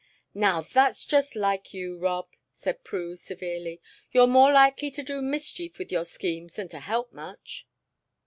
"Now, that's just like you, Rob," said Prue, severely. "You're more likely to do mischief with your schemes than to help much."